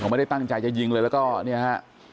ไม่ได้ตั้งใจจะยิงเลยแล้วก็เนี่ยฮะ